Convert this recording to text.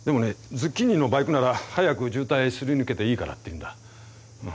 ズッキーニのバイクなら早く渋滞すり抜けていいからって言うんだうん。